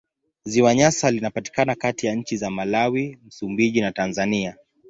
Ziwa Nyasa linapatikana kati ya nchi za Malawi, Msumbiji na Tanzania.